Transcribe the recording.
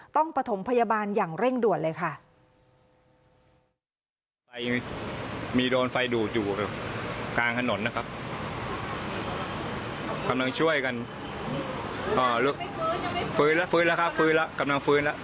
ปฐมพยาบาลอย่างเร่งด่วนเลยค่ะ